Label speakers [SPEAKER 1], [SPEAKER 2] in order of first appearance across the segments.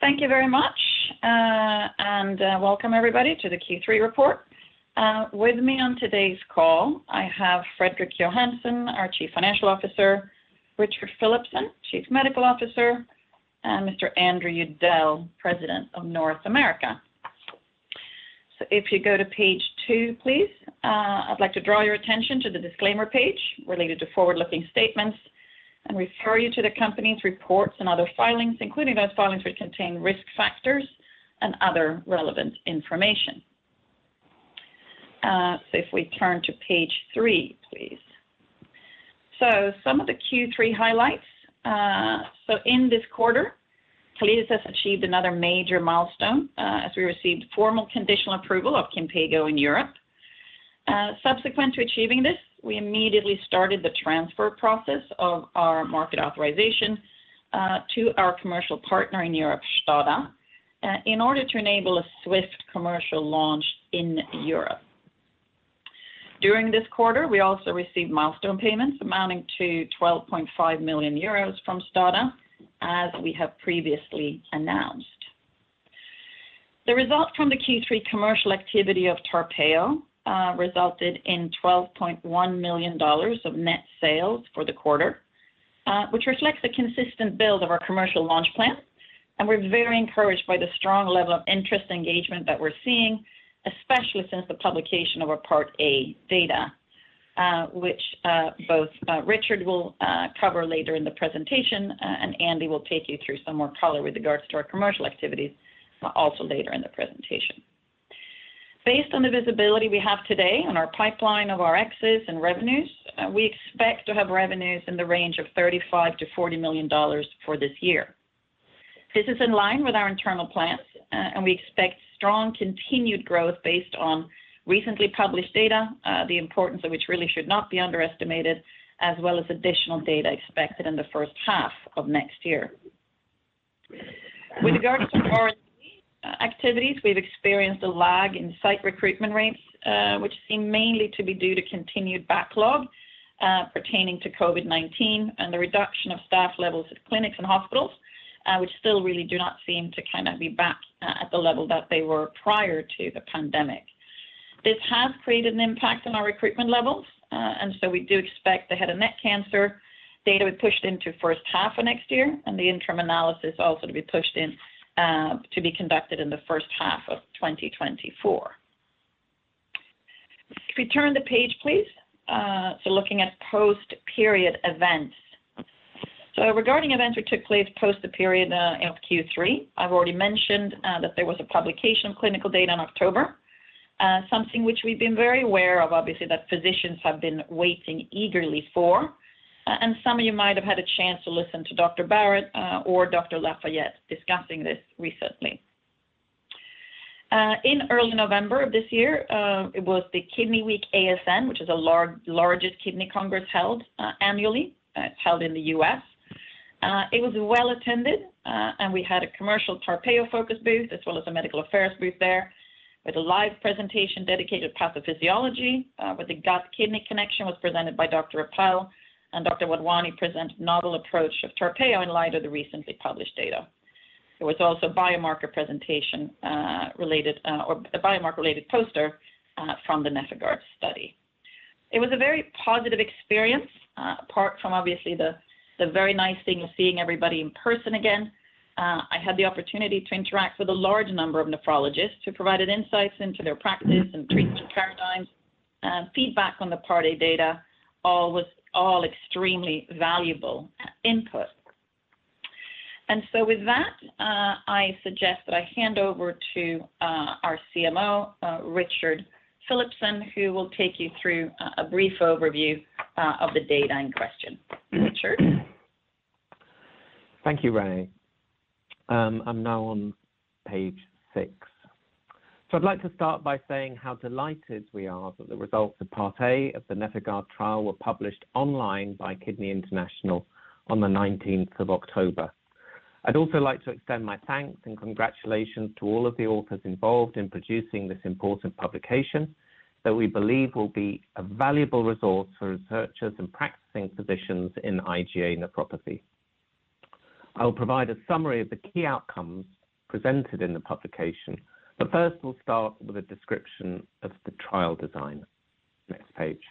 [SPEAKER 1] Thank you very much, and welcome everybody to the Q3 Report. With me on today's call, I have Fredrik Johansson, our Chief Financial Officer, Richard Philipson, Chief Medical Officer, and Mr. Andrew Udell, President of North America. If you go to page two, please, I'd like to draw your attention to the disclaimer page related to forward-looking statements and refer you to the company's reports and other filings, including those filings which contain risk factors and other relevant information. If we turn to page three, please. Some of the Q3 highlights. In this quarter, Calliditas has achieved another major milestone, as we received formal conditional approval of KINPEYGO in Europe. Subsequent to achieving this, we immediately started the transfer process of our market authorization to our commercial partner in Europe, STADA, in order to enable a swift commercial launch in Europe. During this quarter, we also received milestone payments amounting to 12.5 million euros from STADA, as we have previously announced. The result from the Q3 commercial activity of TARPEYO resulted in $12.1 million of net sales for the quarter, which reflects the consistent build of our commercial launch plan. We're very encouraged by the strong level of interest engagement that we're seeing, especially since the publication of our Part A data, which Richard will cover later in the presentation, and Andy will take you through some more color with regards to our commercial activities also later in the presentation. Based on the visibility we have today on our pipeline of our expenses and revenues, we expect to have revenues in the range of $35 million to $40 million for this year. This is in line with our internal plans, and we expect strong continued growth based on recently published data, the importance of which really should not be underestimated, as well as additional data expected in the first half of next year. With regards to our activities, we've experienced a lag in site recruitment rates, which seem mainly to be due to continued backlog pertaining to COVID-19 and the reduction of staff levels at clinics and hospitals, which still really do not seem to be back at the level that they were prior to the pandemic. This has created an impact on our recruitment levels, and so we do expect the head and neck cancer data was pushed into first half of next year and the interim analysis also to be pushed in, to be conducted in the first half of 2024. If we turn the page, please. Looking at post-period events. Regarding events which took place post the period of Q3, I've already mentioned that there was a publication of clinical data in October, something which we've been very aware of, obviously, that physicians have been waiting eagerly for. Some of you might have had a chance to listen to Dr. Barratt or Dr. Lafayette discussing this recently. In early November of this year, it was the Kidney Week ASN, which is the largest kidney congress held annually. It's held in the U.S. It was well-attended, and we had a commercial TARPEYO-focused booth as well as a medical affairs booth there with a live presentation dedicated to pathophysiology, where the gut-kidney connection was presented by Dr. Appel, and Dr. Wadhwani presented novel approach of TARPEYO in light of the recently published data. There was also a biomarker presentation related, or a biomarker-related poster, from the NefIgArd study. It was a very positive experience, apart from obviously the very nice thing of seeing everybody in person again. I had the opportunity to interact with a large number of nephrologists who provided insights into their practice and treatment paradigms. Feedback on the Part A data was all extremely valuable input. With that, I suggest that I hand over to our CMO, Richard Philipson, who will take you through a brief overview of the data in question. Richard.
[SPEAKER 2] Thank you, Renée. I'm now on page six. I'd like to start by saying how delighted we are that the results of Part A of the NefIgArd trial were published online by Kidney International on the nineteenth of October. I'd also like to extend my thanks and congratulations to all of the authors involved in producing this important publication that we believe will be a valuable resource for researchers and practicing physicians in IgA nephropathy. I will provide a summary of the key outcomes presented in the publication, but first will start with a description of the trial design. Next page.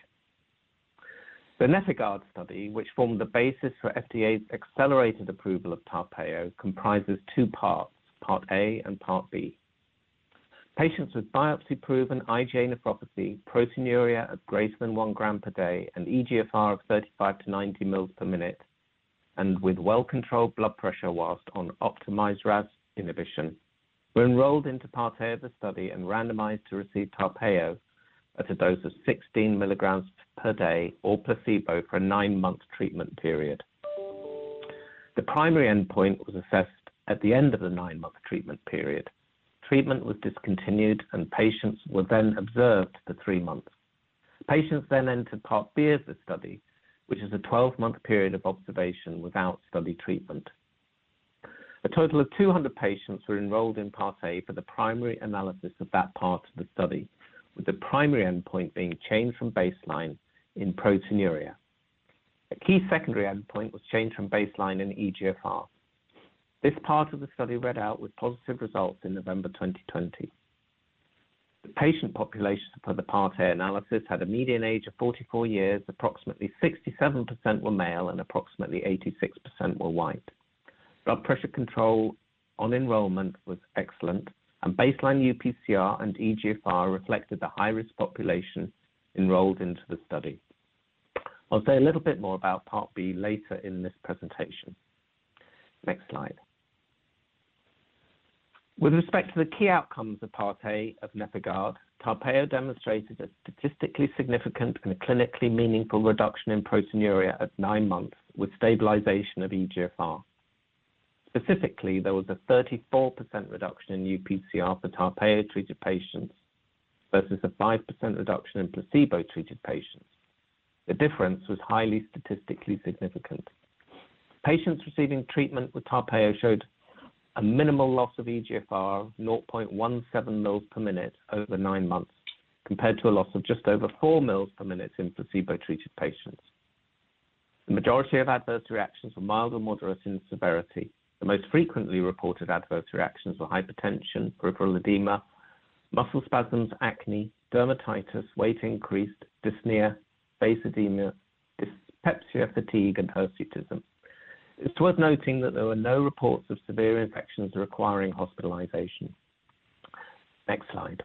[SPEAKER 2] The NefIgArd study, which formed the basis for FDA's accelerated approval of TARPEYO, comprises two parts, Part A and Part B. Patients with biopsy-proven IgA nephropathy, proteinuria of greater than 1 gram per day, an eGFR of 35-90 mL/min, and with well-controlled blood pressure while on optimized RAS inhibition, were enrolled into Part A of the study and randomized to receive TARPEYO at a dose of 16 mg per day or placebo for a 9-month treatment period. The primary endpoint was assessed at the end of the 9-month treatment period. Treatment was discontinued, and patients were then observed for 3 months. Patients then entered Part B of the study, which is a 12-month period of observation without study treatment. A total of 200 patients were enrolled in Part A for the primary analysis of that part of the study, with the primary endpoint being changed from baseline in proteinuria. A key secondary endpoint was changed from baseline in eGFR. This part of the study read out with positive results in November 2020. The patient population for the Part A analysis had a median age of 44 years. Approximately 67% were male and approximately 86% were white. Blood pressure control on enrollment was excellent, and baseline UPCR and eGFR reflected the high-risk population enrolled into the study. I'll say a little bit more about Part B later in this presentation. Next slide. With respect to the key outcomes of Part A of NefIgArd, TARPEYO demonstrated a statistically significant and clinically meaningful reduction in proteinuria at 9 months with stabilization of eGFR. Specifically, there was a 34% reduction in UPCR for TARPEYO-treated patients versus a 5% reduction in placebo-treated patients. The difference was highly statistically significant. Patients receiving treatment with TARPEYO showed a minimal loss of eGFR, 0.17 mL/min over 9 months, compared to a loss of just over 4 mL/min in placebo-treated patients. The majority of adverse reactions were mild or moderate in severity. The most frequently reported adverse reactions were hypertension, peripheral edema, muscle spasms, acne, dermatitis, weight increased, dyspnea, face edema, dyspepsia, fatigue, and hirsutism. It's worth noting that there were no reports of severe infections requiring hospitalization. Next slide.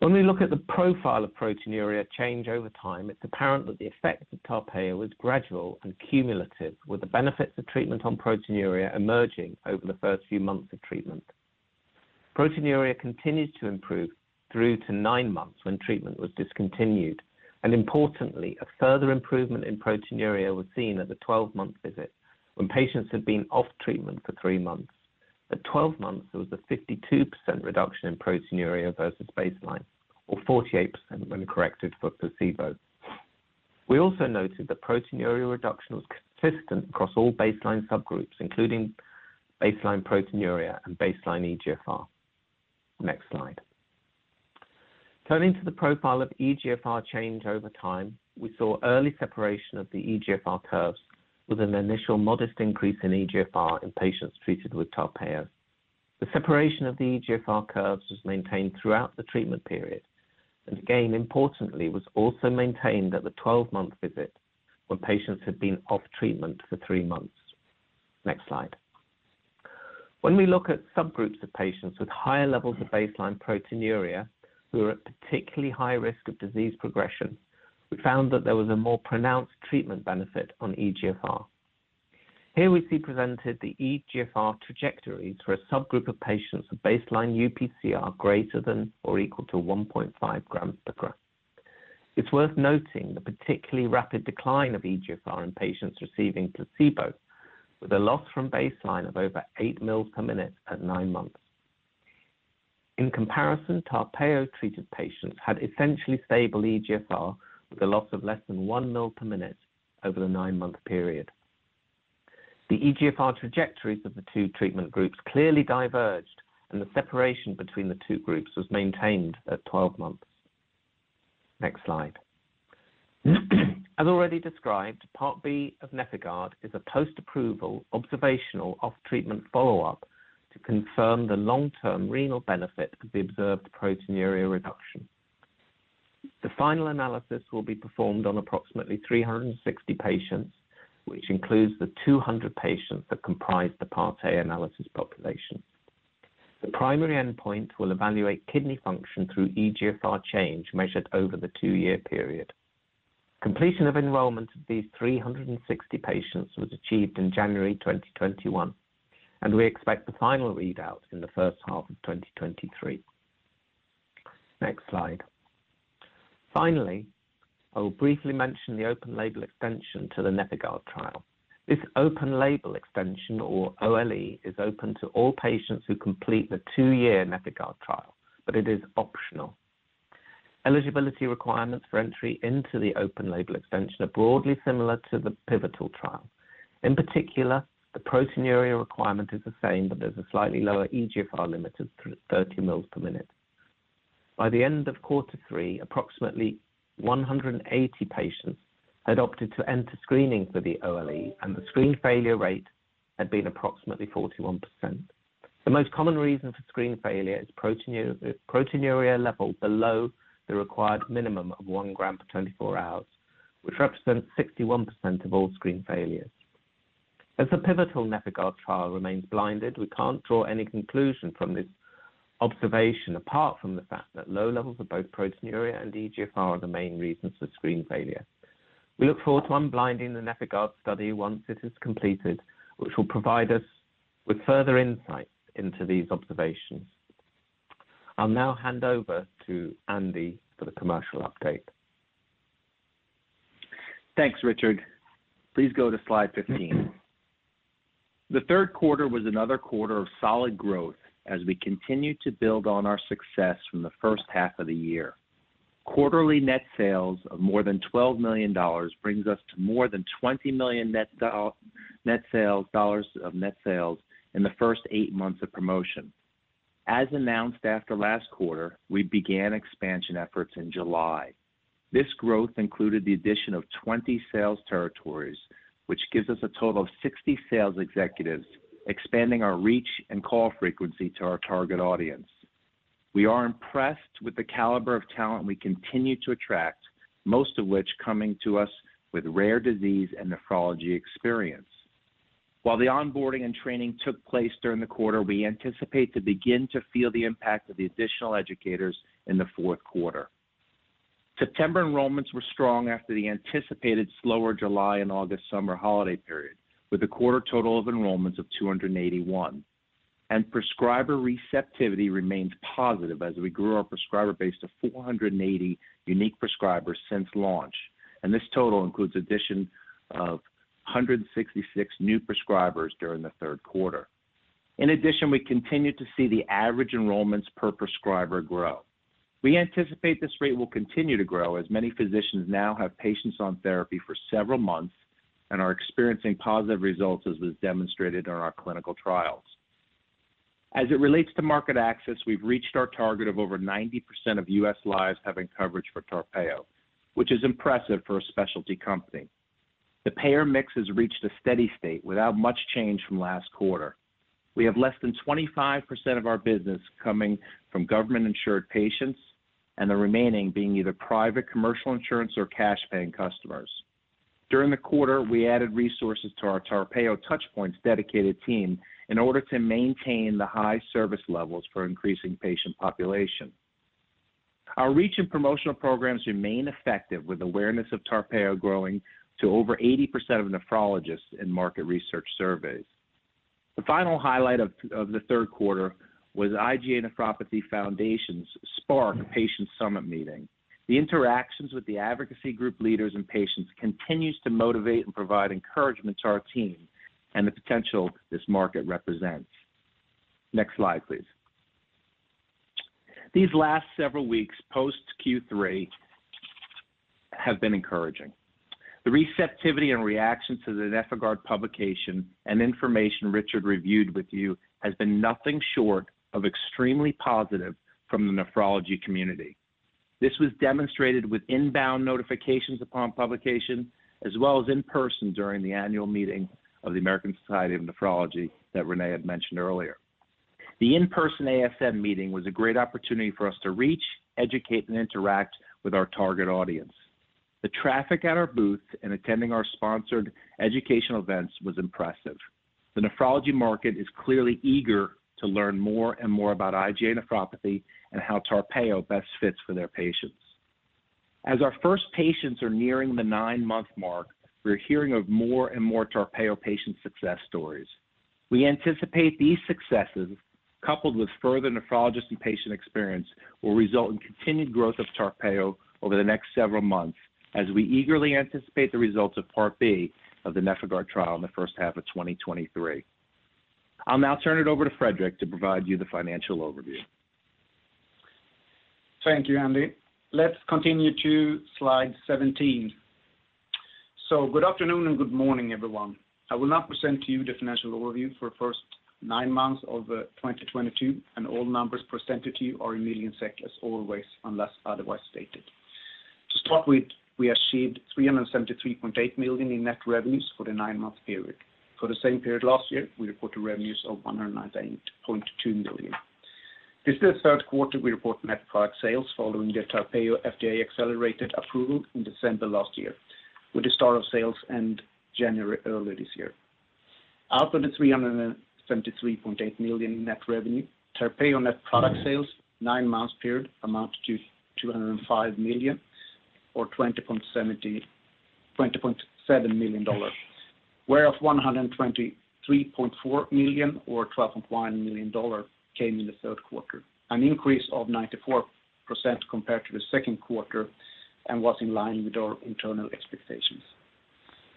[SPEAKER 2] When we look at the profile of proteinuria change over time, it's apparent that the effect of TARPEYO is gradual and cumulative, with the benefits of treatment on proteinuria emerging over the first few months of treatment. Proteinuria continued to improve through to 9 months when treatment was discontinued. Importantly, a further improvement in proteinuria was seen at the 12-month visit when patients had been off treatment for 3 months. At 12 months, there was a 52% reduction in proteinuria versus baseline, or 48% when corrected for placebo. We also noted that proteinuria reduction was consistent across all baseline subgroups, including baseline proteinuria and baseline eGFR. Next slide. Turning to the profile of eGFR change over time, we saw early separation of the eGFR curves with an initial modest increase in eGFR in patients treated with TARPEYO. The separation of the eGFR curves was maintained throughout the treatment period and again, importantly, was also maintained at the 12-month visit when patients had been off treatment for 3 months. Next slide. When we look at subgroups of patients with higher levels of baseline proteinuria who are at particularly high risk of disease progression, we found that there was a more pronounced treatment benefit on eGFR. Here we see presented the eGFR trajectories for a subgroup of patients with baseline UPCR greater than or equal to 1.5 g/g. It's worth noting the particularly rapid decline of eGFR in patients receiving placebo, with a loss from baseline of over 8 mL/min at 9 months. In comparison, TARPEYO-treated patients had essentially stable eGFR with a loss of less than 1 mL/min over the 9-month period. The eGFR trajectories of the two treatment groups clearly diverged, and the separation between the two groups was maintained at 12 months. Next slide. As already described, Part B of NefIgArd is a post-approval, observational, off-treatment follow-up to confirm the long-term renal benefit of the observed proteinuria reduction. The final analysis will be performed on approximately 360 patients, which includes the 200 patients that comprise the Part A analysis population. The primary endpoint will evaluate kidney function through eGFR change measured over the two-year period. Completion of enrollment of these 360 patients was achieved in January 2021, and we expect the final readout in the first half of 2023. Next slide. Finally, I will briefly mention the open label extension to the NefIgArd trial. This open label extension or OLE is open to all patients who complete the two-year NefIgArd trial, but it is optional. Eligibility requirements for entry into the open label extension are broadly similar to the pivotal trial. In particular, the proteinuria requirement is the same, but there's a slightly lower eGFR limit of 30 mL/min. By the end of quarter three, approximately 180 patients had opted to enter screening for the OLE, and the screen failure rate had been approximately 41%. The most common reason for screen failure is proteinuria level below the required minimum of 1 gram per 24 hours, which represents 61% of all screen failures. As the pivotal NefIgArd trial remains blinded, we can't draw any conclusion from this observation, apart from the fact that low levels of both proteinuria and eGFR are the main reasons for screen failure. We look forward to unblinding the NefIgArd study once it is completed, which will provide us with further insight into these observations. I'll now hand over to Andy for the commercial update.
[SPEAKER 3] Thanks, Richard. Please go to slide 15. The third quarter was another quarter of solid growth as we continue to build on our success from the first half of the year. Quarterly net sales of more than $12 million brings us to more than $20 million of net sales in the first eight months of promotion. As announced after last quarter, we began expansion efforts in July. This growth included the addition of 20 sales territories, which gives us a total of 60 sales executives, expanding our reach and call frequency to our target audience. We are impressed with the caliber of talent we continue to attract, most of which coming to us with rare disease and nephrology experience. While the onboarding and training took place during the quarter, we anticipate to begin to feel the impact of the additional educators in the fourth quarter. September enrollments were strong after the anticipated slower July and August summer holiday period, with a quarter total of enrollments of 281. Prescriber receptivity remains positive as we grew our prescriber base to 480 unique prescribers since launch. This total includes addition of 166 new prescribers during the third quarter. In addition, we continue to see the average enrollments per prescriber grow. We anticipate this rate will continue to grow as many physicians now have patients on therapy for several months and are experiencing positive results, as was demonstrated on our clinical trials. As it relates to market access, we've reached our target of over 90% of U.S. lives having coverage for TARPEYO, which is impressive for a specialty company. The payer mix has reached a steady state without much change from last quarter. We have less than 25% of our business coming from government-insured patients and the remaining being either private commercial insurance or cash-paying customers. During the quarter, we added resources to our TARPEYO Touchpoints dedicated team in order to maintain the high service levels for increasing patient population. Our reach and promotional programs remain effective, with awareness of TARPEYO growing to over 80% of nephrologists in market research surveys. The final highlight of the third quarter was IgA Nephropathy Foundation's SPARK Patient Summit meeting. The interactions with the advocacy group leaders and patients continues to motivate and provide encouragement to our team and the potential this market represents. Next slide, please. These last several weeks post Q3 have been encouraging. The receptivity and reaction to the NefIgArd publication and information Richard reviewed with you has been nothing short of extremely positive from the nephrology community. This was demonstrated with inbound notifications upon publication, as well as in person during the annual meeting of the American Society of Nephrology that Renée had mentioned earlier. The in-person ASN meeting was a great opportunity for us to reach, educate, and interact with our target audience. The traffic at our booth and attending our sponsored educational events was impressive. The nephrology market is clearly eager to learn more and more about IgA nephropathy and how TARPEYO best fits for their patients. As our first patients are nearing the nine-month mark, we're hearing of more and more TARPEYO patient success stories. We anticipate these successes, coupled with further nephrologist and patient experience, will result in continued growth of TARPEYO over the next several months as we eagerly anticipate the results of Part B of the NefIgArd trial in the first half of 2023. I'll now turn it over to Fredrik to provide you the financial overview.
[SPEAKER 4] Thank you, Andy. Let's continue to slide 17. Good afternoon and good morning, everyone. I will now present to you the financial overview for the first nine months of 2022, and all numbers presented to you are in millions SEK, as always, unless otherwise stated. To start with, we achieved 373.8 million in net revenues for the nine-month period. For the same period last year, we reported revenues of 198.2 million. This is the third quarter we report net product sales following the TARPEYO FDA accelerated approval in December last year, with the start of sales in January earlier this year. Out of the 373.8 million net revenue, TARPEYO net product sales nine-month period amounted to 205 million or $20.7 million, whereof 123.4 million or $12.1 million came in the third quarter, an increase of 94% compared to the second quarter and was in line with our internal expectations.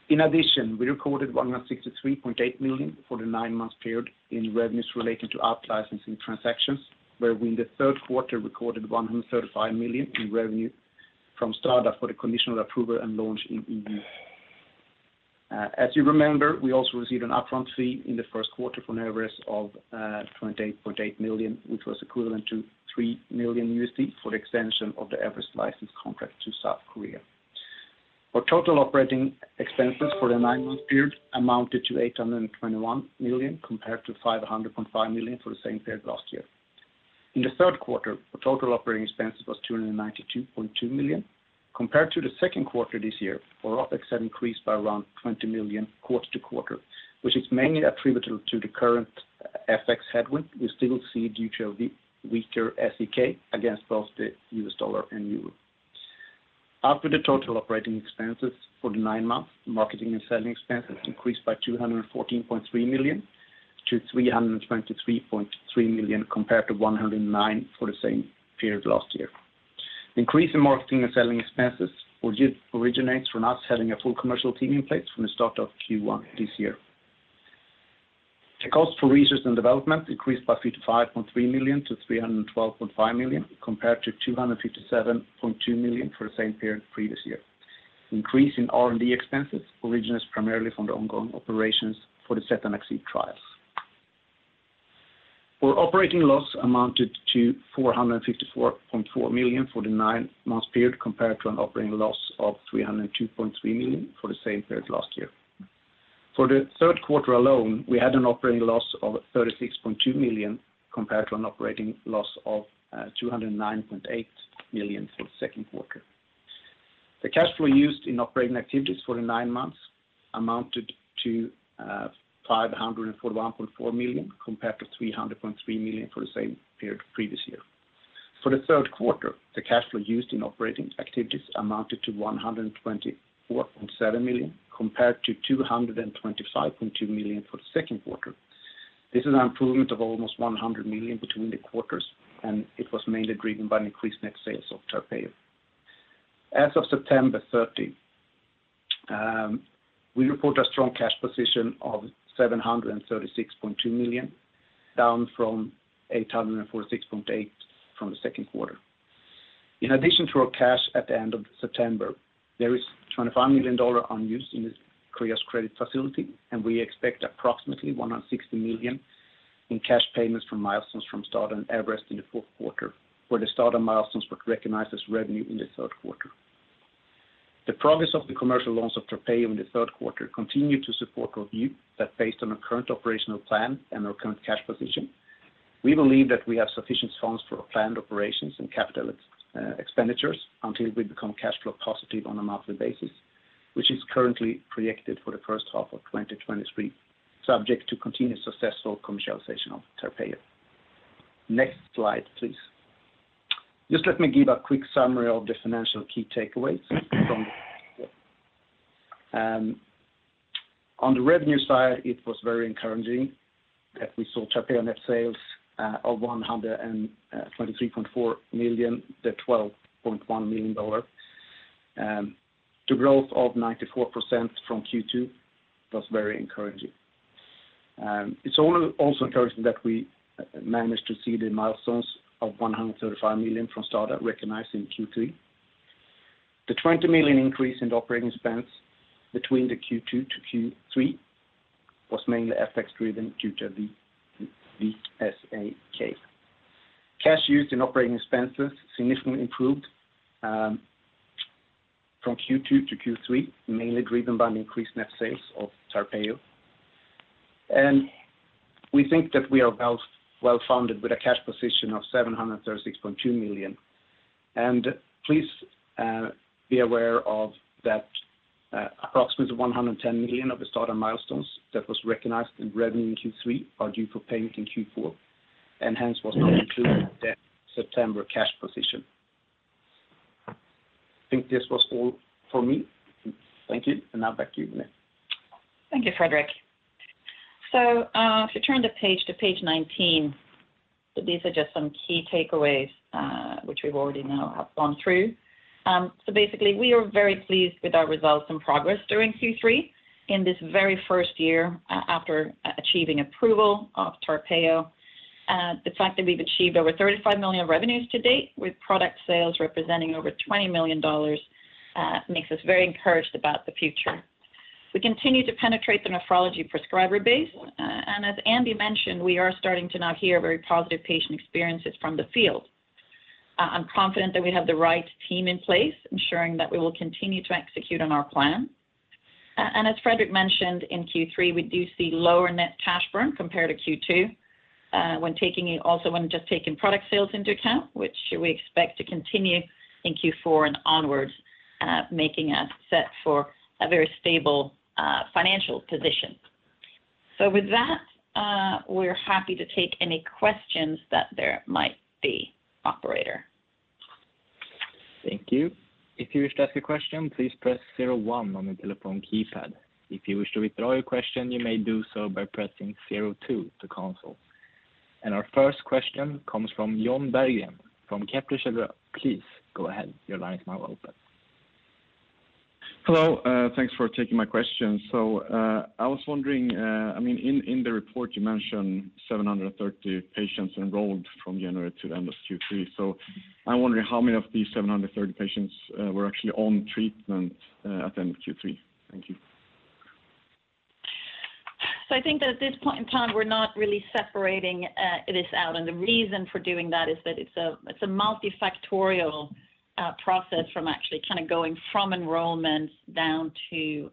[SPEAKER 4] In addition, we recorded 163.8 million for the nine-month period in revenues relating to out-licensing transactions, where we in the third quarter recorded 135 million in revenue from STADA for the conditional approval and launch in EU. As you remember, we also received an upfront fee in the first quarter from Everest of 28.8 million, which was equivalent to $3 million for the extension of the Everest license contract to South Korea. Our total operating expenses for the nine-month period amounted to 821 million compared to 505 million for the same period last year. In the third quarter, our total operating expenses was 292.2 million. Compared to the second quarter this year, our OpEx have increased by around 20 million quarter-over-quarter, which is mainly attributable to the current FX headwind we still see due to the weaker SEK against both the US dollar and euro. Out of the total operating expenses for the nine months, marketing and selling expenses increased by 214.3 million to 323.3 million compared to 109 million for the same period last year. Increase in marketing and selling expenses originates from us having a full commercial team in place from the start of Q1 this year. The cost for research and development increased by 55.3 million to 312.5 million, compared to 257.2 million for the same period previous year. Increase in R&D expenses originates primarily from the ongoing operations for the SET and EXCEED trials. Our operating loss amounted to 454.4 million for the nine-month period, compared to an operating loss of 302.3 million for the same period last year. For the third quarter alone, we had an operating loss of 36.2 million, compared to an operating loss of two hundred and nine point eight million for the second quarter. The cash flow used in operating activities for the nine months amounted to 541.4 million, compared to 300.3 million for the same period previous year. For the third quarter, the cash flow used in operating activities amounted to 124.7 million, compared to 225.2 million for the second quarter. This is an improvement of almost 100 million between the quarters, and it was mainly driven by an increased net sales of TARPEYO. As of September 13, we report a strong cash position of 736.2 million, down from 846.8 million from the second quarter. In addition to our cash at the end of September, there is $25 million unused in this Kreos credit facility, and we expect approximately 160 million in cash payments from milestones from STADA and Everest in the fourth quarter, where the STADA milestones were recognized as revenue in the third quarter. The progress of the commercial launch of TARPEYO in the third quarter continued to support our view that based on our current operational plan and our current cash position, we believe that we have sufficient funds for our planned operations and capital expenditures until we become cash flow positive on a monthly basis, which is currently projected for the first half of 2023, subject to continued successful commercialization of TARPEYO. Next slide, please. Just let me give a quick summary of the financial key takeaways, on the revenue side, it was very encouraging that we saw TARPEYO net sales of 123.4 million to $12.1 million. The growth of 94% from Q2 was very encouraging. It's also encouraging that we managed to see the milestones of 135 million from STADA recognized in Q3. The 20 million increase in operating expense between the Q2 to Q3 was mainly FX driven due to the weak SEK. Cash used in operating expenses significantly improved from Q2-Q3, mainly driven by an increased net sales of TARPEYO. We think that we are well-founded with a cash position of 736.2 million. Please be aware that approximately 110 million of the STADA milestones that was recognized in revenue in Q3 are due for payment in Q4, and hence was not included in that September cash position. I think this was all for me. Thank you. Now back to you, Renée.
[SPEAKER 1] Thank you, Fredrik. If you turn the page to page 19, these are just some key takeaways, which we've already now have gone through. Basically, we are very pleased with our results and progress during Q3 in this very first year, after achieving approval of TARPEYO. The fact that we've achieved over 35 million revenues to date with product sales representing over $20 million, makes us very encouraged about the future. We continue to penetrate the nephrology prescriber base, and as Andy mentioned, we are starting to now hear very positive patient experiences from the field. I'm confident that we have the right team in place, ensuring that we will continue to execute on our plan. as Fredrik mentioned, in Q3, we do see lower net cash burn compared to Q2, also when just taking product sales into account, which we expect to continue in Q4 and onwards, making us set for a very stable, financial position. With that, we're happy to take any questions that there might be. Operator?
[SPEAKER 5] Thank you. If you wish to ask a question, please press zero one on the telephone keypad. If you wish to withdraw your question, you may do so by pressing zero two to console. Our first question comes from Jon Berggren from Kepler Cheuvreux. Please go ahead. Your line is now open.
[SPEAKER 6] Hello. Thanks for taking my question. I was wondering, I mean, in the report, you mentioned 730 patients enrolled from January to the end of Q3. I'm wondering how many of these 730 patients were actually on treatment at the end of Q3. Thank you.
[SPEAKER 1] I think that at this point in time, we're not really separating this out. The reason for doing that is that it's a multifactorial process from actually going from enrollment down to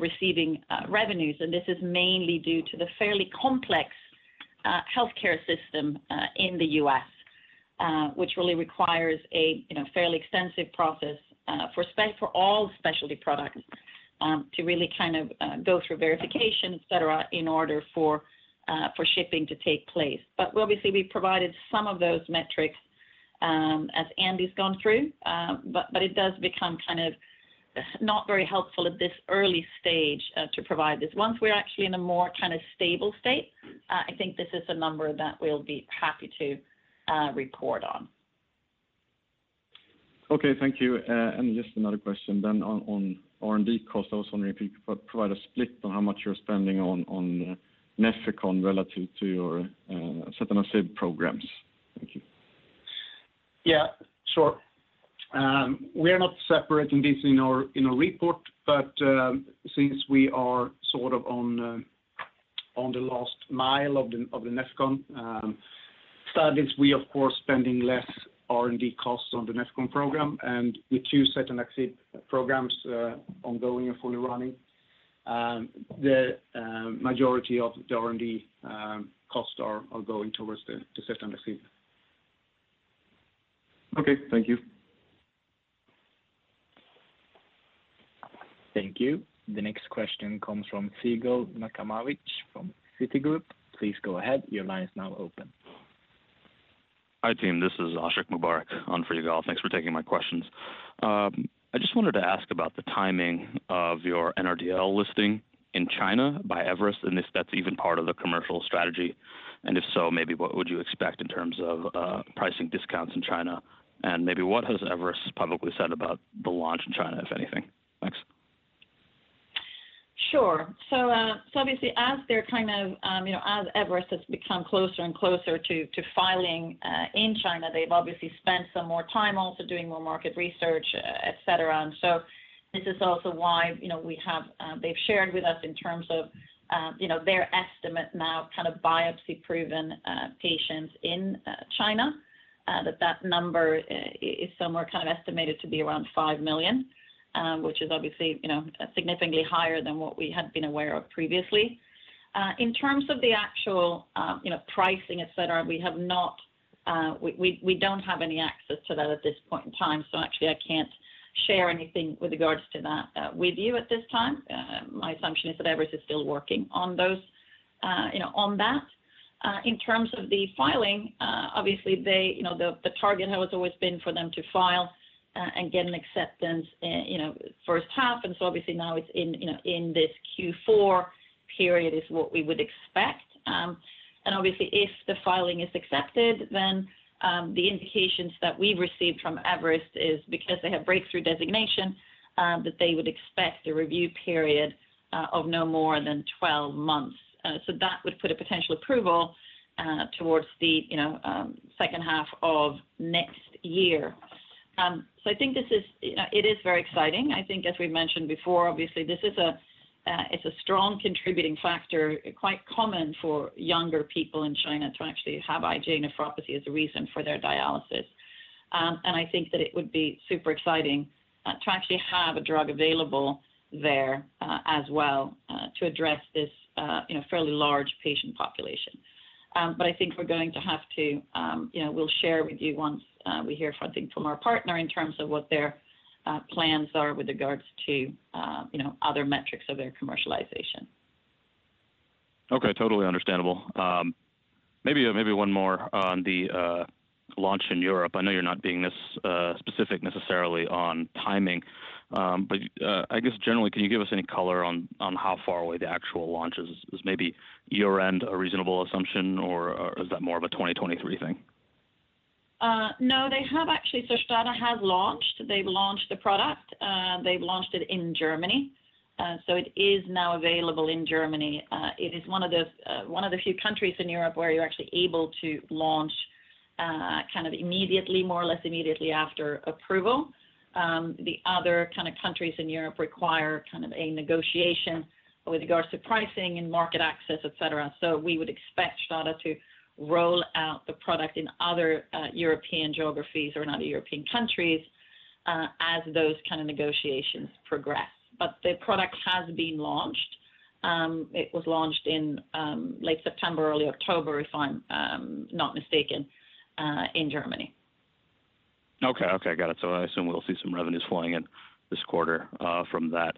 [SPEAKER 1] receiving revenues. This is mainly due to the fairly complex healthcare system in the U.S., which really requires a you know fairly extensive process for all specialty products to really go through verification, et cetera, in order for shipping to take place. Obviously, we provided some of those metrics as Andy's gone through. It does become not very helpful at this early stage to provide this. Once we're actually in a more stable state, I think this is a number that we'll be happy to report on.
[SPEAKER 6] Thank you. Just another question on R&D costs. I was wondering if you could provide a split on how much you're spending on Nefecon relative to your setanaxib programs. Thank you.
[SPEAKER 1] Sure. We are not separating this in our report, but since we are sort of on the last mile of the Nefecon studies, we of course spending less R&D costs on the Nefecon program and with two setanaxib programs ongoing and fully running, the majority of the R&D costs are going towards the setanaxib.
[SPEAKER 6] Thank you.
[SPEAKER 5] Thank you. The next question comes from Yigal Nochomovitz from Citigroup. Please go ahead. Your line is now open.
[SPEAKER 7] Hi, team. This is Ashiq Mubarack on for Yigal Nochomovitz. Thanks for taking my questions. I just wanted to ask about the timing of your NRDL listing in China by Everest, and if that's even part of the commercial strategy. If so, maybe what would you expect in terms of pricing discounts in China? Maybe what has Everest publicly said about the launch in China, if anything? Thanks.
[SPEAKER 1] Sure. Obviously, as they're as Everest has become closer and closer to filing in China, they've obviously spent some more time also doing more market research, et cetera. This is also why they've shared with us in terms of their estimate now biopsy-proven patients in China, that number is somewhere estimated to be around 5 million, which is obviously, significantly higher than what we had been aware of previously. In terms of the actual pricing, et cetera, we don't have any access to that at this point in time. Actually, I can't share anything with regards to that with you at this time. My assumption is that Everest is still working on those on that. In terms of the filing, obviously they, the target has always been for them to file and get an acceptance, you know, first half. Obviously now it's in his Q4 period is what we would expect. Obviously, if the filing is accepted, then the indications that we've received from Everest is because they have breakthrough designation that they would expect a review period of no more than 12 months. That would put a potential approval towards the second half of next year. I think this is it is very exciting. I think, as we mentioned before, obviously this is a strong contributing factor, quite common for younger people in China to actually have IgA nephropathy as a reason for their dialysis. I think that it would be super exciting to actually have a drug available there as well to address this you know fairly large patient population. I think we're going to have to you know we'll share with you once we hear from I think from our partner in terms of what their plans are with regards to you know other metrics of their commercialization.
[SPEAKER 7] Totally understandable. Maybe one more on the launch in Europe. I know you're not being this specific necessarily on timing. Generally, can you give us any color on how far away the actual launch is? Is maybe year-end a reasonable assumption or is that more of a 2023 thing?
[SPEAKER 1] No, they have actually. STADA has launched. They've launched the product. They've launched it in Germany. It is now available in Germany. It is one of the few countries in Europe where you're actually able to launch immediately, more or less immediately after approval. The other countries in Europe require a negotiation with regards to pricing and market access, et cetera. We would expect STADA to roll out the product in other European geographies or in other European countries as those negotiations progress. The product has been launched. It was launched in late September, early October, if I'm not mistaken, in Germany.
[SPEAKER 7] Got it. I assume we'll see some revenues flowing in this quarter from that.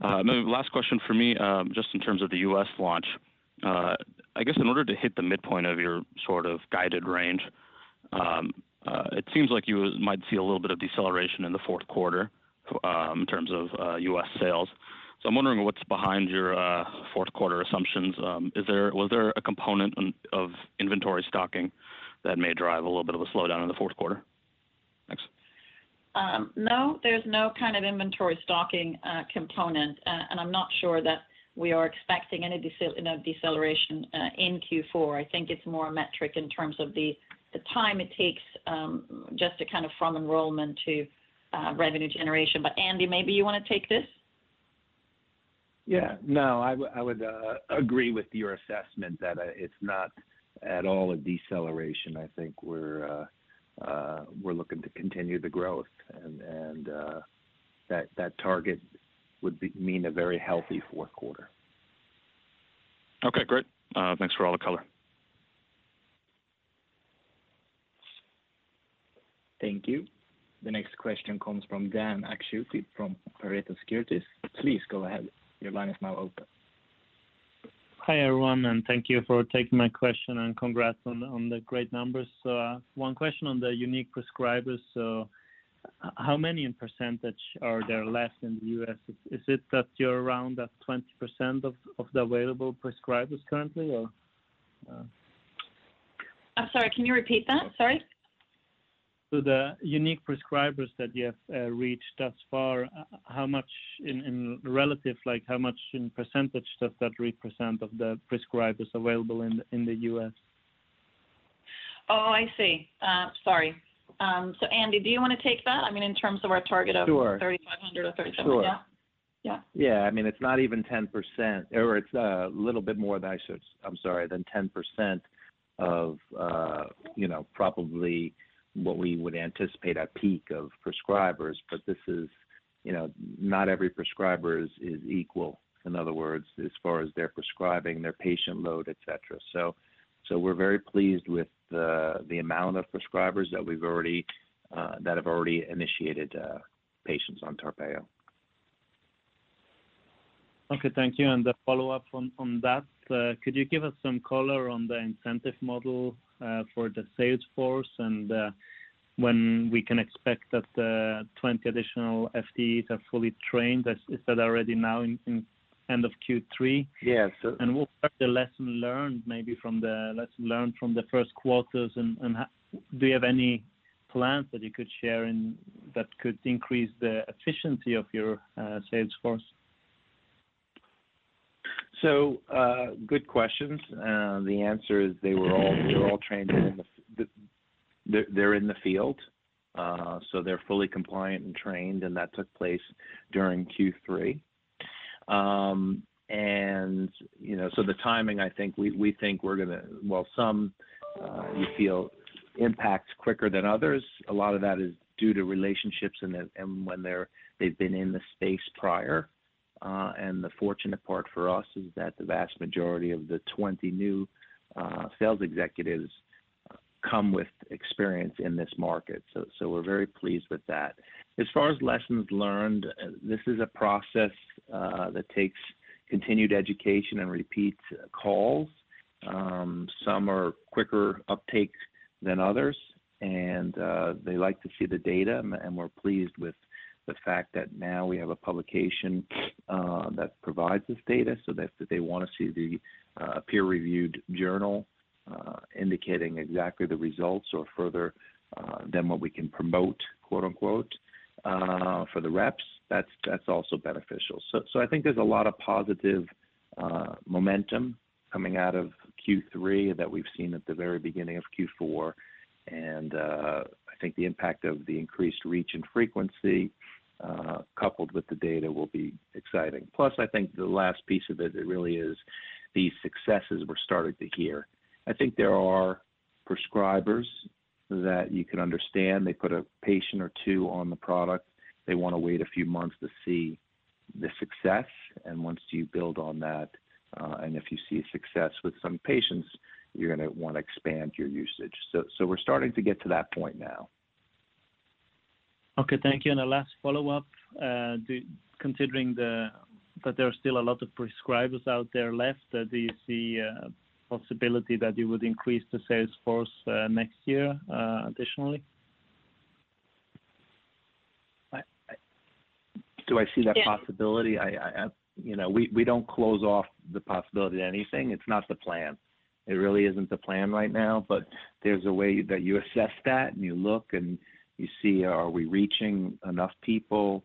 [SPEAKER 7] Maybe last question for me, just in terms of the US launch. I guess in order to hit the midpoint of your sort of guided range, it seems like you might see a little bit of deceleration in the fourth quarter, in terms of US sales. I'm wondering what's behind your fourth quarter assumptions. Was there a component in of inventory stocking that may drive a little bit of a slowdown in the fourth quarter? Thanks.
[SPEAKER 1] No, there's no inventory stocking component. I'm not sure that we are expecting any deceleration in Q4. I think it's more a metric in terms of the time it takes just to from enrollment to revenue generation. Andy, maybe you want to take this.
[SPEAKER 6] No, I would agree with your assessment that it's not at all a deceleration. I think we're looking to continue the growth and that target would mean a very healthy fourth quarter.
[SPEAKER 7] Great. Thanks for all the color.
[SPEAKER 5] Thank you. The next question comes from Dan Akschuti from Pareto Securities. Please go ahead. Your line is now open.
[SPEAKER 8] Hi, everyone, and thank you for taking my question, and congrats on the great numbers. One question on the unique prescribers. How many in percentage are there less in the US? Is it that you're around that 20% of the available prescribers currently, or?
[SPEAKER 1] I'm sorry, can you repeat that? Sorry.
[SPEAKER 8] The unique prescribers that you have reached thus far, how much in relative, like, how much in percentage does that represent of the prescribers available in the US?
[SPEAKER 1] Oh, I see. Sorry. Andy, do you wanna take that? I mean, in terms of our target of 3,500 or 37.
[SPEAKER 3] It's not even 10% or it's a little bit more than 10% of probably what we would anticipate at peak of prescribers. This is, you know, not every prescriber is equal, in other words, as far as their prescribing, their patient load, etc. We're very pleased with the amount of prescribers that have already initiated patients on TARPEYO.
[SPEAKER 8] Thank you. The follow-up on that, could you give us some color on the incentive model for the sales force and when we can expect that the 20 additional FTEs are fully trained? Is that already now in end of Q3?
[SPEAKER 3] Yes.
[SPEAKER 8] What are the lessons learned maybe? Let's learn from the first quarters, and do you have any plans that you could share and that could increase the efficiency of your sales force?
[SPEAKER 3] Good questions. The answer is they were all trained in the field. They're in the field. They're fully compliant and trained, and that took place during Q3. The timing, I think, we think we're gonna. Well, some you feel impact quicker than others. A lot of that is due to relationships and when they've been in the space prior. The fortunate part for us is that the vast majority of the 20 new sales executives come with experience in this market. We're very pleased with that. As far as lessons learned, this is a process that takes continued education and repeat calls. Some are quicker uptake than others and they like to see the data and we're pleased with the fact that now we have a publication that provides this data. If they wanna see the peer-reviewed journal indicating exactly the results or further than what we can promote, quote-unquote, for the reps, that's also beneficial. I think there's a lot of positive momentum coming out of Q3 that we've seen at the very beginning of Q4, and I think the impact of the increased reach and frequency coupled with the data will be exciting. Plus, I think the last piece of it really is the successes we're starting to hear. I think there are prescribers that you can understand, they put a patient or two on the product. They wanna wait a few months to see the success, and once you build on that, and if you see a success with some patients, you're gonna wanna expand your usage. We're starting to get to that point now.
[SPEAKER 8] Thank you. The last follow-up, considering that there are still a lot of prescribers out there left, do you see possibility that you would increase the sales force next year additionally?
[SPEAKER 3] Do I see that possibility?
[SPEAKER 1] Yes.
[SPEAKER 3] You know, we don't close off the possibility to anything. It's not the plan. It really isn't the plan right now, but there's a way that you assess that and you look and you see, are we reaching enough people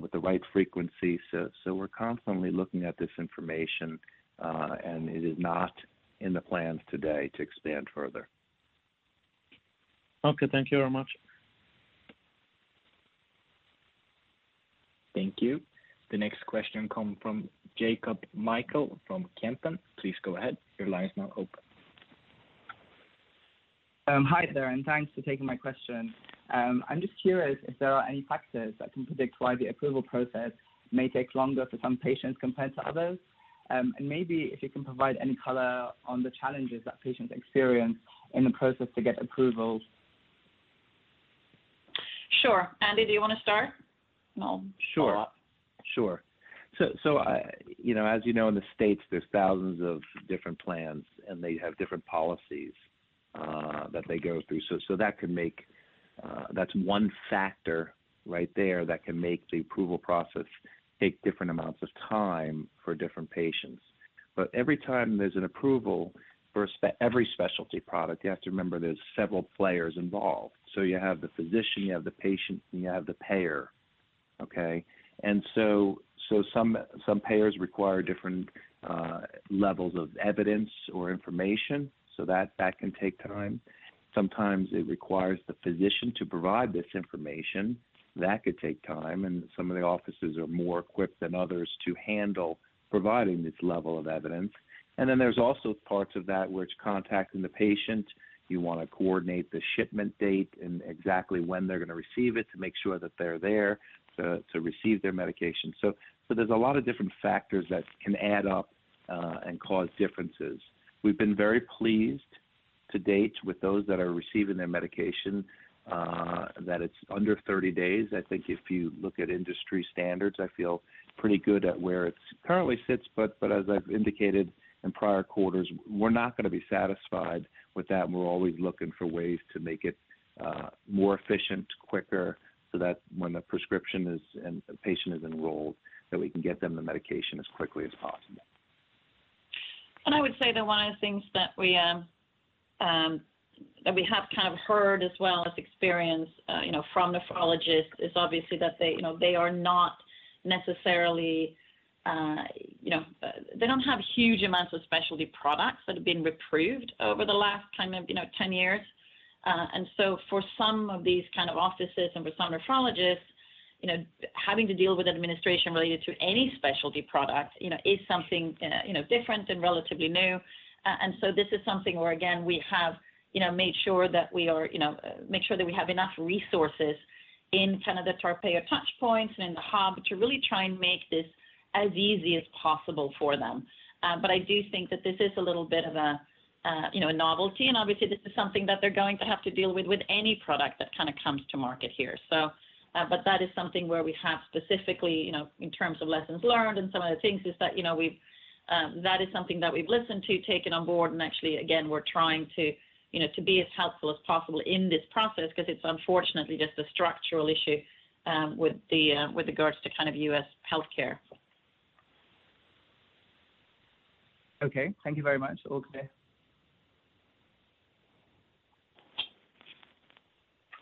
[SPEAKER 3] with the right frequency? We're constantly looking at this information, and it is not in the plans today to expand further.
[SPEAKER 8] Thank you very much.
[SPEAKER 5] Thank you. The next question come from Jacob Mekhael from Kempen. Please go ahead. Your line is now open.
[SPEAKER 9] Hi there, and thanks for taking my question. I'm just curious if there are any factors that can predict why the approval process may take longer for some patients compared to others. Maybe if you can provide any color on the challenges that patients experience in the process to get approval.
[SPEAKER 1] Sure. Andy, do you wanna start? I'll follow up.
[SPEAKER 3] Sure. You know, as you know, in the States, there's thousands of different plans, and they have different policies that they go through. That's one factor right there that can make the approval process take different amounts of time for different patients. But every time there's an approval for every specialty product, you have to remember there's several players involved. You have the physician, you have the patient, and you have the payer. Okay? Some payers require different levels of evidence or information, so that can take time. Sometimes it requires the physician to provide this information. That could take time, and some of the offices are more equipped than others to handle providing this level of evidence. There's also parts of that which contacting the patient, you wanna coordinate the shipment date and exactly when they're gonna receive it to make sure that they're there to receive their medication. There's a lot of different factors that can add up and cause differences. We've been very pleased to date with those that are receiving their medication, that it's under 30 days. I think if you look at industry standards, I feel pretty good at where it currently sits, but as I've indicated in prior quarters, we're not gonna be satisfied with that, and we're always looking for ways to make it more efficient, quicker, so that when the prescription is and the patient is enrolled, that we can get them the medication as quickly as possible.
[SPEAKER 1] I would say that one of the things that we have heard as well as experienced, you know, from nephrologists is obviously that they, you know, they are not necessarily, you know. They don't have huge amounts of specialty products that have been approved over the last 10 years. For some of these offices and for some nephrologists, you know, having to deal with administration related to any specialty product, you know, is something, you know, different and relatively new. This is something where, again, we have, you know, made sure that we make sure that we have enough resources in the TARPEYO Touchpoints and in the hub to really try and make this as easy as possible for them. I do think that this is a little bit of a novelty, and obviously this is something that they're going to have to deal with with any product that comes to market here. That is something where we have specifically, you know, in terms of lessons learned and some of the things, that we've listened to, taken on board and actually again, we're trying to be as helpful as possible in this process 'cause it's unfortunately just a structural issue with regards to US healthcare.
[SPEAKER 9] Thank you very much. All clear.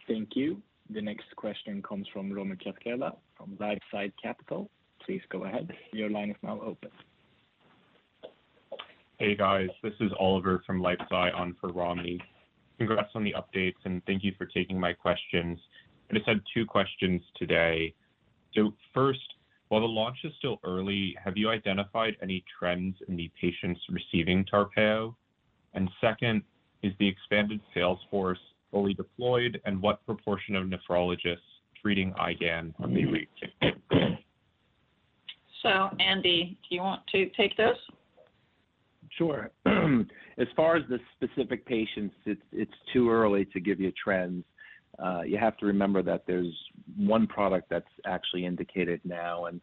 [SPEAKER 5] Thank you. The next question comes from Rami Katkhuda from LifeSci Capital. Please go ahead. Your line is now open.
[SPEAKER 10] Hey, guys. This is Oliver from LifeSci on for Rami. Congrats on the updates, and thank you for taking my questions. I just have two questions today. First, while the launch is still early, have you identified any trends in the patients receiving TARPEYO? Second, is the expanded sales force fully deployed and what proportion of nephrologists treating IgAN are being reached?
[SPEAKER 1] Andy, do you want to take those?
[SPEAKER 3] Sure. As far as the specific patients, it's too early to give you trends. You have to remember that there's one product that's actually indicated now and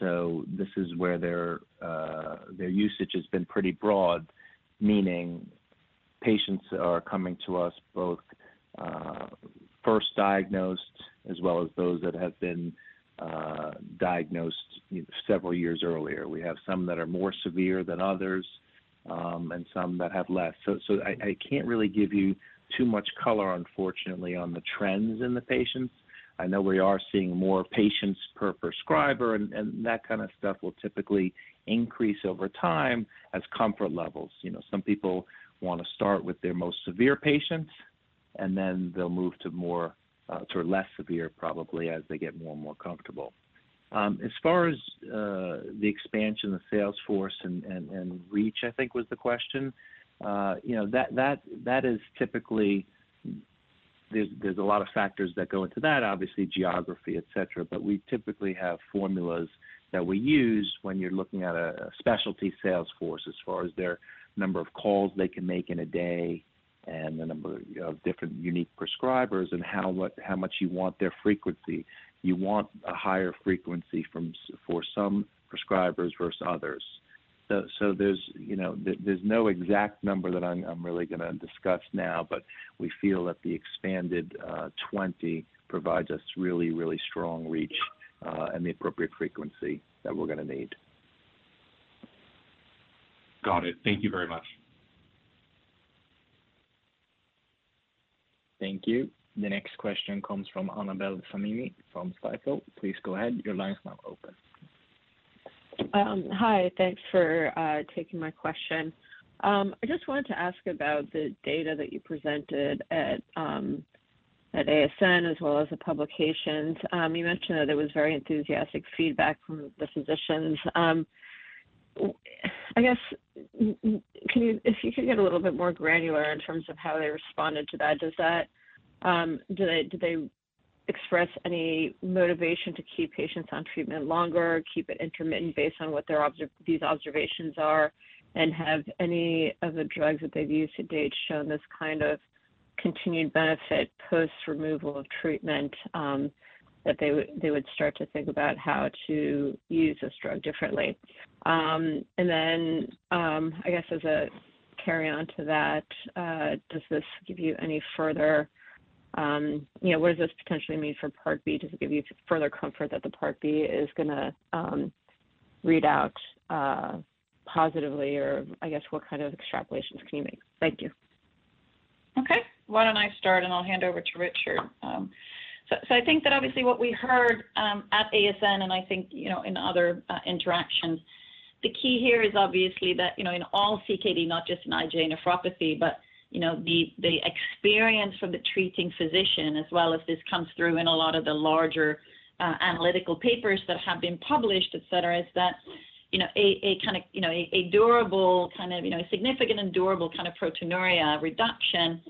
[SPEAKER 3] so this is where their usage has been pretty broad, meaning patients are coming to us both first diagnosed as well as those that have been diagnosed, you know, several years earlier. We have some that are more severe than others, and some that have less. I can't really give you too much color, unfortunately, on the trends in the patients. I know we are seeing more patients per prescriber and that kind of stuff will typically increase over time as comfort levels. Some people wanna start with their most severe patients, and then they'll move to more, to less severe probably as they get more and more comfortable. As far as the expansion, the sales force and reach, I think was the question, you know, that is typically. There's a lot of factors that go into that, obviously, geography, etcetera. We typically have formulas that we use when you're looking at a specialty sales force as far as their number of calls they can make in a day and the number of different unique prescribers and how much you want their frequency. You want a higher frequency from some prescribers versus others. There's no exact number that I'm really gonna discuss now, but we feel that the expanded 20 provides us really, really strong reach, and the appropriate frequency that we're gonna need.
[SPEAKER 10] Got it. Thank you very much.
[SPEAKER 5] Thank you. The next question comes from Annabel Samimy from Stifel. Please go ahead. Your line is now open.
[SPEAKER 11] Hi. Thanks for taking my question. I just wanted to ask about the data that you presented at ASN as well as the publications. You mentioned that there was very enthusiastic feedback from the physicians. I guess can you if you could get a little bit more granular in terms of how they responded to that, does that do they express any motivation to keep patients on treatment longer, keep it intermittent based on what their observations are, and have any of the drugs that they have used to date shown this continued benefit post-removal of treatment, that they would start to think about how to use this drug differently? I guess as a carry on to that, does this give you any further, you know, what does this potentially mean for Part B? Does it give you further comfort that the Part B is gonna read out positively or I guess what kind of extrapolations can you make? Thank you.
[SPEAKER 1] Why don't I start and I'll hand over to Richard. I think that obviously what we heard at ASN and in other interactions, the key here is obviously that in all CKD, not just in IgA nephropathy, but the experience from the treating physician as well as this comes through in a lot of the larger analytical papers that have been published, et cetera, a significant and durable proteinuria reduction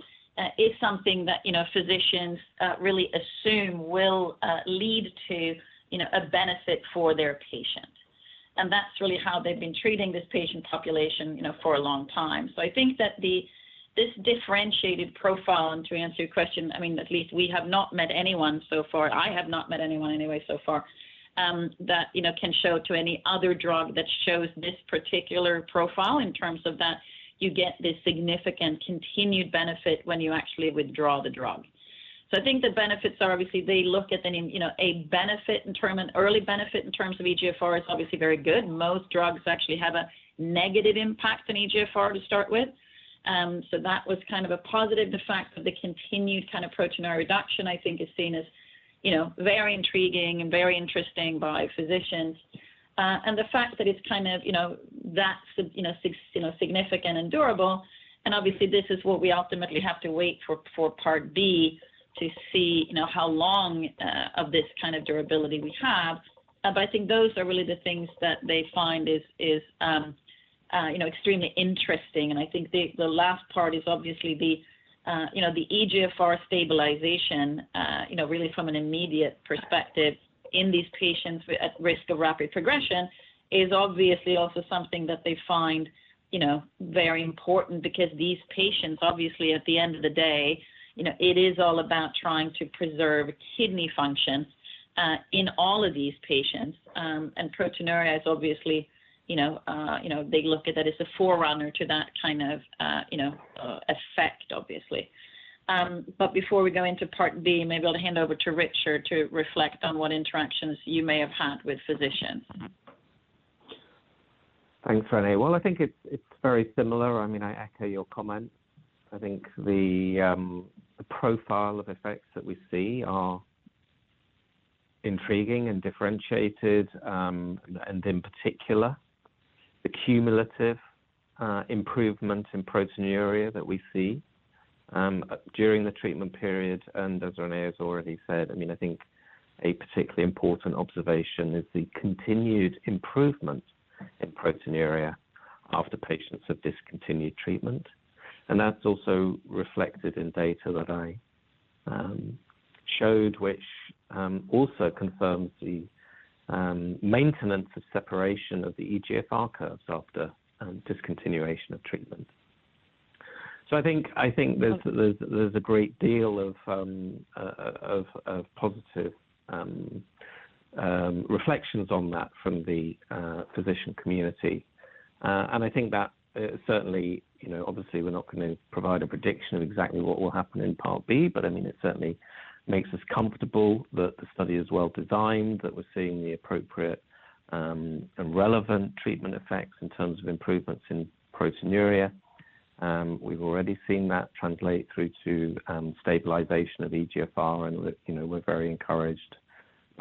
[SPEAKER 1] is something that physicians really assume will lead to a benefit for their patient. That's really how they've been treating this patient population for a long time. This differentiated profile, and to answer your question at least we have not met anyone so far. I have not met anyone anyway so far, that can show that any other drug that shows this particular profile in terms of that you get this significant continued benefit when you actually withdraw the drug. I think the benefits are obviously, an early benefit in terms of eGFR is obviously very good. Most drugs actually have a negative impact on eGFR to start with. That was kind of a positive. The fact that the continued kind of proteinuria reduction, I think is seen as, you know, very intriguing and very interesting by physicians. The fact that it's that's significant and durable, and obviously this is what we ultimately have to wait for Part B to see how long of this durability we have. I think those are really the things that they find is extremely interesting. I think the last part is obviously the eGFR stabilization really from an immediate perspective in these patients at risk of rapid progression is obviously also something that they find very important because these patients obviously at the end of the day it is all about trying to preserve kidney function in all of these patients. Proteinuria is obviously, they look at that as a forerunner to that effect, obviously. Before we go into Part B, maybe I'll hand over to Richard to reflect on what interactions you may have had with physicians.
[SPEAKER 2] Thanks, Renée. Well, I think it's very similar. I mean, I echo your comments. I think the profile of effects that we see are intriguing and differentiated, and in particular, the cumulative improvement in proteinuria that we see during the treatment period. As Renée has already said, I mean, I think a particularly important observation is the continued improvement in proteinuria after patients have discontinued treatment. That's also reflected in data that I showed, which also confirms the maintenance of separation of the eGFR curves after discontinuation of treatment. I think there's a great deal of positive reflections on that from the physician community. I think that, certainly, obviously, we're not gonna provide a prediction of exactly what will happen in Part B, but I mean, it certainly makes us comfortable that the study is well-designed, that we're seeing the appropriate, and relevant treatment effects in terms of improvements in proteinuria. We've already seen that translate through to stabilization of eGFR, and we're, you know, we're very encouraged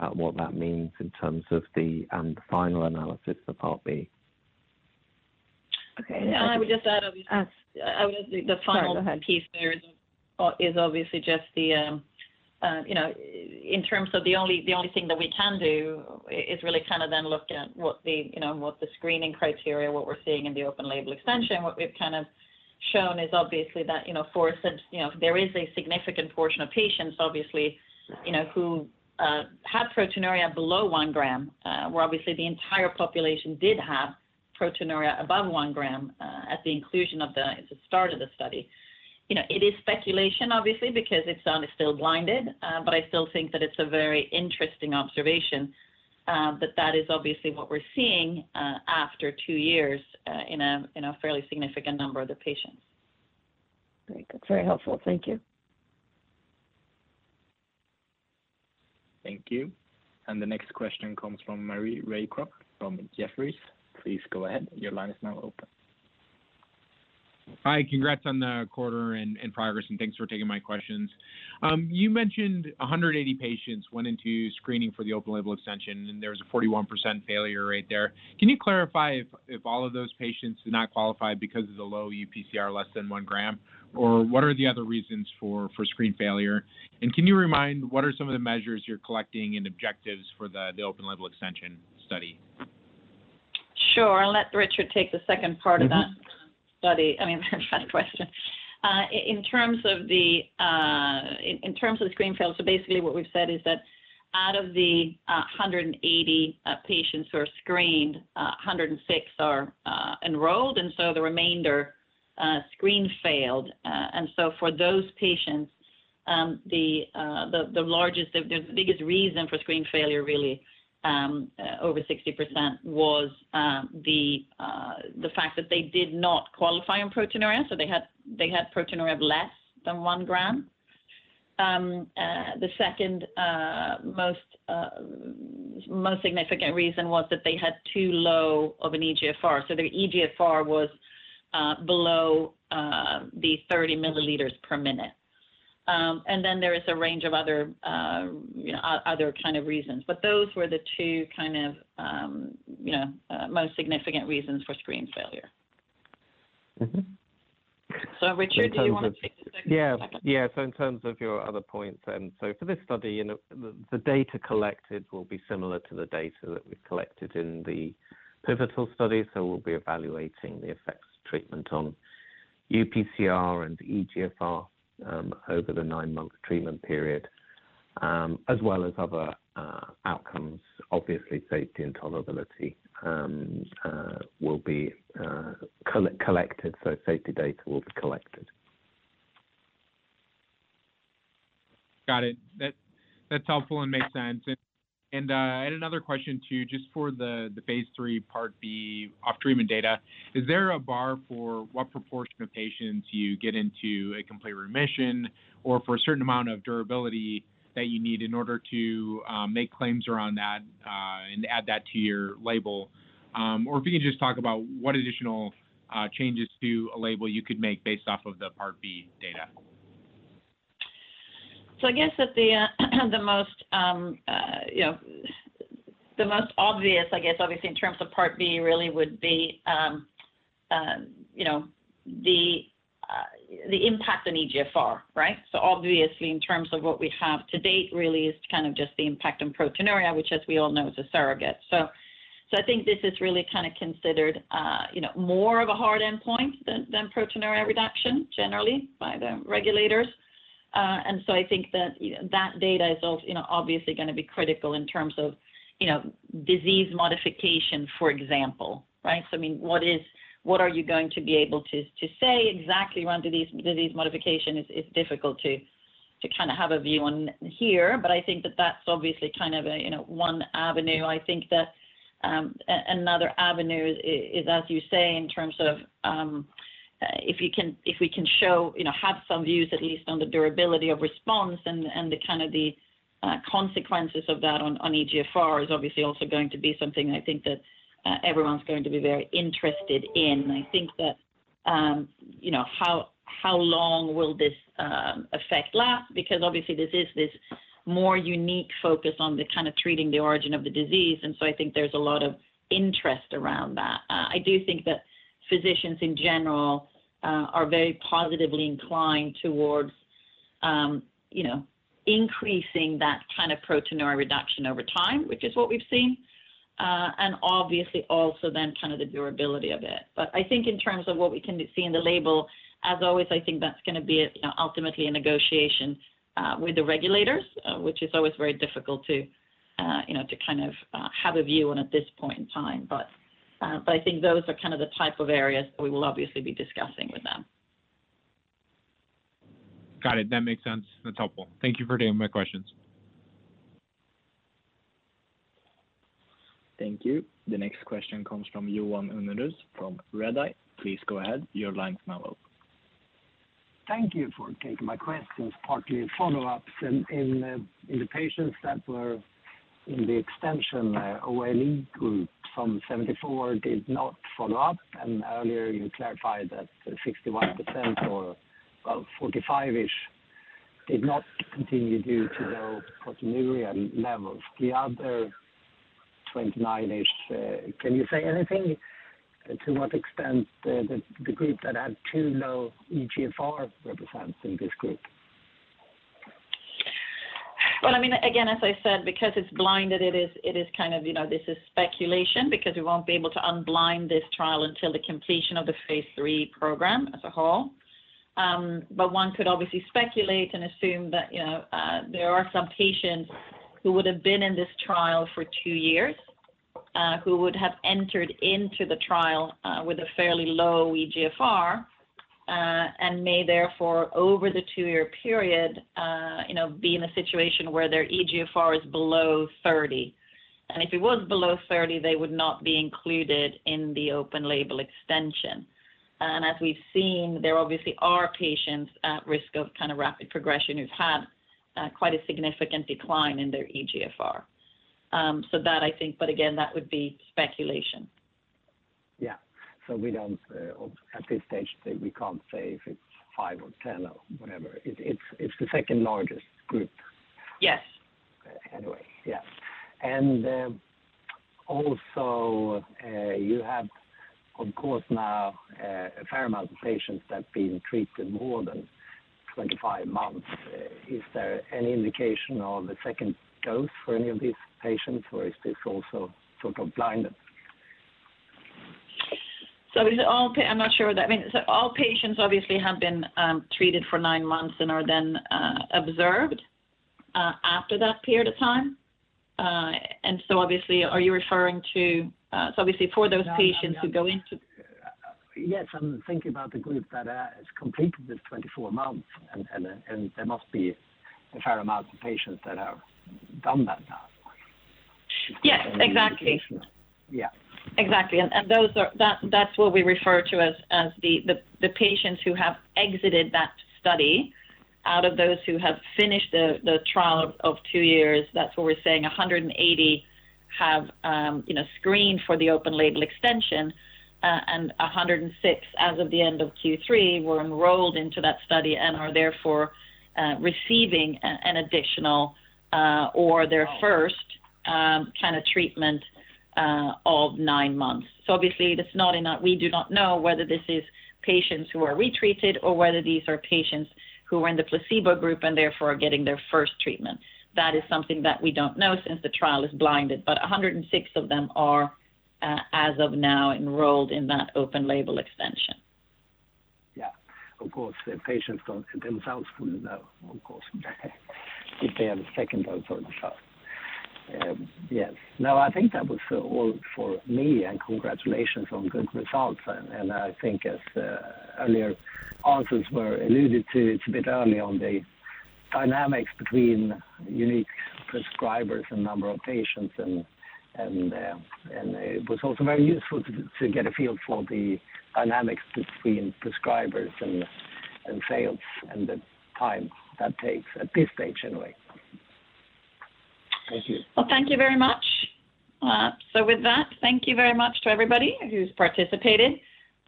[SPEAKER 2] at what that means in terms of the final analysis of Part B.
[SPEAKER 1] I would just add the final piece there is obviously just in terms of the only thing that we can do is really then look at what the screening criteria, what we're seeing in the open-label extension. What we've shown is obviously that there is a significant portion of patients, obviously, you know, who had proteinuria below one gram, where obviously the entire population did have proteinuria above one gram at the start of the study. You know, it is speculation, obviously, because it's still blinded, but I still think that it's a very interesting observation. That is obviously what we're seeing in a fairly significant number of the patients. Great. That's very helpful. Thank you.
[SPEAKER 5] Thank you. The next question comes from Maury Raycroft from Jefferies. Please go ahead. Your line is now open.
[SPEAKER 12] Hi. Congrats on the quarter and progress, and thanks for taking my questions. You mentioned 180 patients went into screening for the open-label extension, and there was a 41% failure rate there. Can you clarify if all of those patients did not qualify because of the low UPCR less than one gram? Or what are the other reasons for screen failure? Can you remind, what are some of the measures you're collecting and objectives for the open-label extension study?
[SPEAKER 1] Sure. I'll let Richard take the second part of that study, I mean, that question. In terms of the screen failure, basically what we've said is that out of the 180 patients who are screened, 106 are enrolled, and the remainder screen failed. For those patients, the biggest reason for screen failure really over 60% was the fact that they did not qualify in proteinuria. They had proteinuria of less than 1 gram. The second most significant reason was that they had too low of an eGFR. Their eGFR was below the 30 milliliters per minute. There is a range of other, you know, kind of reasons. Those were the two kind of, you know, most significant reasons for screen failure. Richard, do you wanna take the second part?
[SPEAKER 2] In terms of your other points then, for this study, you know, the data collected will be similar to the data that we collected in the pivotal study. We'll be evaluating the effects of treatment on UPCR and eGFR over the nine-month treatment period, as well as other outcomes. Obviously, safety and tolerability will be collected, so safety data will be collected.
[SPEAKER 12] Got it. That's helpful and makes sense. I had another question too, just for the phase III Part B off treatment data. Is there a bar for what proportion of patients you get into a complete remission or for a certain amount of durability that you need in order to make claims around that and add that to your label? Or if you can just talk about what additional changes to a label you could make based off of the Part B data.
[SPEAKER 1] I guess that the most obvious, I guess, obviously, in terms of Part B really would be the impact on eGFR, right? Obviously, in terms of what we have to date really is kind of just the impact on proteinuria, which as we all know, is a surrogate. I think this is really considered, you know, more of a hard endpoint than proteinuria reduction generally by the regulators. I think that, you know, that data is, you know, obviously gonna be critical in terms of disease modification, for example, right? What are you going to be able to say exactly around disease modification is difficult to have a view on here. I think that's obviously a one avenue. I think that another avenue is, as you say, in terms of if we can show, you know, have some views at least on the durability of response and the the consequences of that on eGFR is obviously also going to be something I think that everyone's going to be very interested in. I think that, you know, how long will this effect last? Because obviously this is more unique focus on the treating the origin of the disease, and so I think there's a lot of interest around that. I do think that physicians in general are very positively inclined towards, you know, increasing that proteinuria reduction over time, which is what we've seen, and obviously also then the durability of it. I think in terms of what we can see in the label, as always, I think that's gonna be, you know, ultimately a negotiation with the regulators, which is always very difficult to have a view on at this point in time. I think those are the type of areas that we will obviously be discussing with them.
[SPEAKER 12] Got it. That makes sense. That's helpful. Thank you for taking my questions.
[SPEAKER 5] Thank you. The next question comes from Johan Unnérus from Redeye. Please go ahead. Your line's now open.
[SPEAKER 13] Thank you for taking my questions, partly follow-ups. In the patients that were in the extension OLE group from 74 did not follow up, and earlier you clarified that 61% or, well, 45%-ish did not continue due to the proteinuria levels. The other 29%-ish, can you say anything to what extent the group that had too low eGFR represents in this group?
[SPEAKER 1] Well, again, as I said, because it's blinded, this is speculation because we won't be able to unblind this trial until the completion of the phase III program as a whole. One could obviously speculate and assume that, you know, there are some patients who would have been in this trial for 2 years, who would have entered into the trial, with a fairly low eGFR, and may therefore over the 2-year period be in a situation where their eGFR is below 30. If it was below 30, they would not be included in the open label extension. As we've seen, there obviously are patients at risk of rapid progression who've had, quite a significant decline in their eGFR. That I think. Again, that would be speculation.
[SPEAKER 13] We don't at this stage say we can't say if it's five or ten or whatever. It's the second largest group.
[SPEAKER 1] Yes.
[SPEAKER 13] Also, you have of course now a fair amount of patients that have been treated more than 25 months. Is there any indication of a second dose for any of these patients or is this also sort of blinded?
[SPEAKER 1] I'm not sure what that means. All patients obviously have been treated for nine months and are then observed after that period of time. Obviously, are you referring to. Obviously for those patients who go into.
[SPEAKER 13] Yes, I'm thinking about the group that has completed the 24 months and there must be a fair amount of patients that have done that now.
[SPEAKER 1] Yes, exactly. Exactly. That's what we refer to as the patients who have exited that study out of those who have finished the trial of two years. That's where we're saying 180 have screened for the open label extension, and 106 as of the end of Q3 were enrolled into that study and are therefore receiving an additional or their first kind of treatment of nine months. Obviously that's not enough. We do not know whether this is patients who are retreated or whether these are patients who were in the placebo group and therefore are getting their first treatment. That is something that we don't know since the trial is blinded, but 106 of them are, as of now, enrolled in that open label extension.
[SPEAKER 13] Of course, the patients themselves wouldn't know, of course, if they had a second dose or the first. Yes. No, I think that was all for me, and congratulations on good results. I think as earlier answers were alluded to, it's a bit early on the dynamics between unique prescribers and number of patients, and it was also very useful to get a feel for the dynamics between prescribers and sales and the time that takes at this stage, anyway. Thank you.
[SPEAKER 1] Well, thank you very much. With that, thank you very much to everybody who's participated,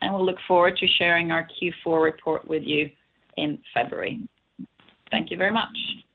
[SPEAKER 1] and we'll look forward to sharing our Q4 report with you in February. Thank you very much.